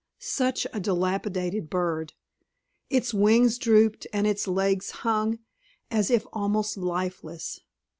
Such a dilapidated bird! Its wings drooped and its legs hung as if almost lifeless.